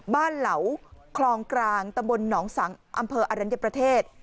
เหลาคลองกลางตำบลหนองสังอำเภออรัญญประเทศ